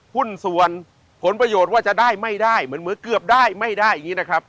หุ้นส่วนผลประโยชน์ว่าจะได้ไม่ได้เหมือนเกือบได้ไม่ได้อย่างนี้นะครับ